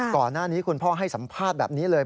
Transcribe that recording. ก่อนหน้านี้คุณพ่อให้สัมภาษณ์แบบนี้เลย